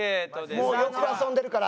もうよく遊んでるから。